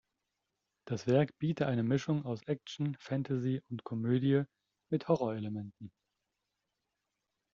Das Werk biete eine Mischung aus Action, Fantasy und Komödie mit Horrorelementen.